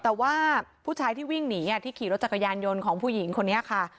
แต่ว่าผู้ชายที่วิ่งหนีที่ขี่รถจักรยานยนต์ของผู้หญิงคนนี้ค่ะ